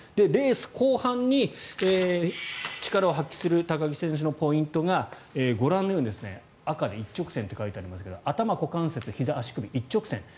レース後半に力を発揮する高木選手のポイントがご覧のように赤で一直線と書いてありますが頭、股関節、ひざ、足首が一直線。